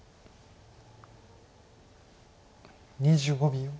２５秒。